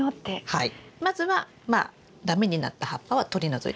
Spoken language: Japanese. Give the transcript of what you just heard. はい。